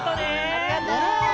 ・ありがとう。